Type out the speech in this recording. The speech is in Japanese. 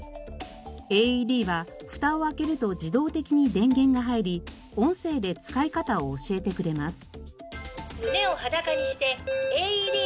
ＡＥＤはふたを開けると自動的に電源が入り音声で使い方を教えてくれます。